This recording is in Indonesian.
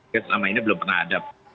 selama ini belum pernah hadap